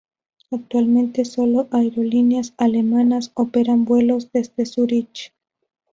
Actualmente sólo aerolíneas alemanas operan vuelos desde Zurich.